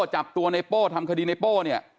จับตัวในโป้ทำคดีในโป้เนี่ย